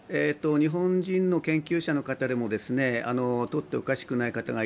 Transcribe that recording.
日本人の研究者の方でも取っておかしくない方が